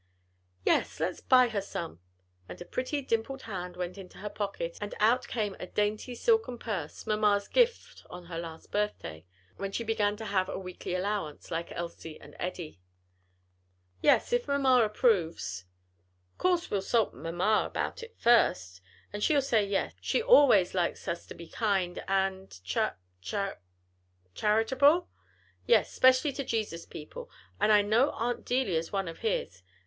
"Yes; let's buy her some," and a pretty dimpled hand went into her pocket, and out came a dainty, silken purse, mamma's gift on her last birthday, when she began to have a weekly allowance, like Elsie and Eddie. "Yes, if mamma approves." "'Course we'll 'sult mamma 'bout it first, and she'll say yes; she always likes us to be kind and char char " "Charitable? yes, 'specially to Jesus' people, and I know Aunt Delia's one of his.